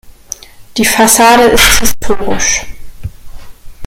Die Fassade ist historisch.